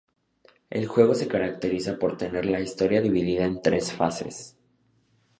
El juego se caracteriza por tener la historia dividida en tres fases.